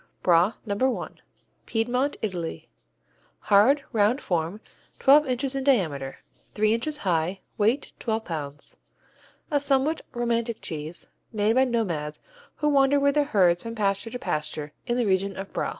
Bra No. I Piedmont, Italy Hard, round form, twelve inches in diameter, three inches high, weight twelve pounds. A somewhat romantic cheese, made by nomads who wander with their herds from pasture to pasture in the region of Bra.